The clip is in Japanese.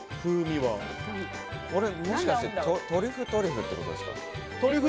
もしかしてトリュフトリュフということですか？